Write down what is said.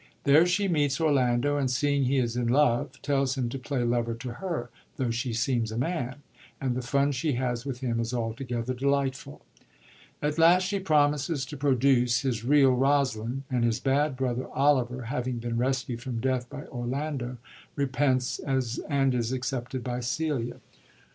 There she meets Orlando, and seeing he is in love, tells him to play lover to her, tho' she seems a man ; and the fun she has with him is altogether delightful. At last she promises to produce his real Rosalind ; and his bad brother Oliver, having been rescued from death by Orlando, repents, and is accepted by Celia.